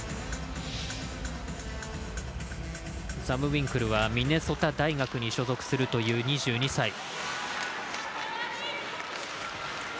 ザムウィンクルはミネソタ大学に所属する２２歳。